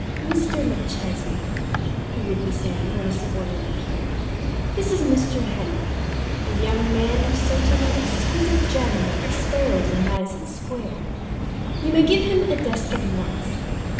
"Mr. McChesney," he would be saying when a subordinate appeared, "this is Mr. Henry, the young man who sent in that exquisite gem about the sparrows in Madison Square. You may give him a desk at once.